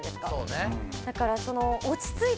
だから。